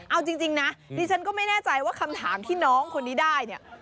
เอาจริงนะดิฉันก็ไม่แน่ใจว่าคำถามที่น้องคนนี้ได้เนี่ย